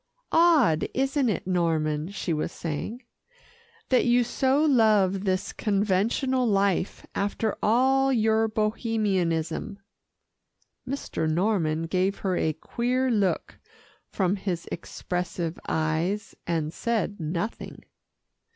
"Odd, isn't it, Norman," she was saying, "that you so love this conventional life after all your Bohemianism." Mr. Norman gave her a queer look from his expressive eyes, and said nothing.